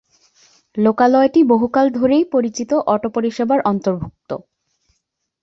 লোকালয়টি বহুকাল ধরেই পরিচিত অটো পরিষেবার অন্তর্ভুক্ত।